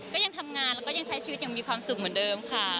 ก็ยังทำงานแล้วก็ยังใช้ชีวิตอย่างมีความสุขเหมือนเดิมค่ะ